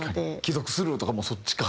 「既読スルー」とかもそっちか。